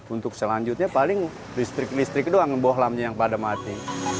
untuk selanjutnya paling listrik listrik doang di bawah lamnya yang pada mati